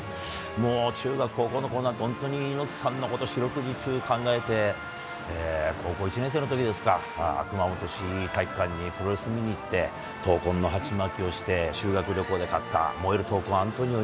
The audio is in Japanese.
もう中学、高校のころなんて、本当に猪木さんのことを四六時中考えて、高校１年生のときですか、熊本市体育館にプロレス見に行って、闘魂の鉢巻きをして、修学旅行で買った、燃える闘魂アントニオ